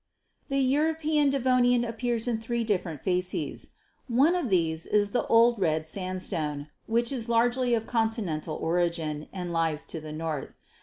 "The European Devonian appears in three different facies; one of these is the 'Old Red Sandstone,' which is largely of continental origin and lies to the north.